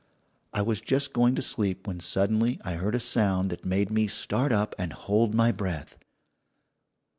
"I was just going to sleep when suddenly I heard a sound that made me start up and hold my breath.